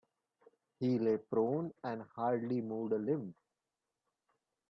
He lay prone and hardly moved a limb.